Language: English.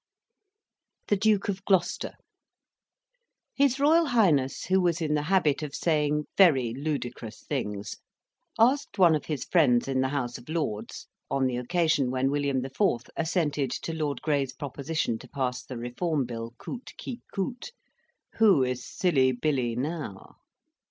THE DUKE OF GLOUCESTER His Royal Highness, who was in the habit of saying very ludicrous things, asked one of his friends in the House of Lords, on the occasion when William IV. assented to Lord Grey's Proposition to pass the Reform Bill coute qui coute, "Who is Silly Billy now?"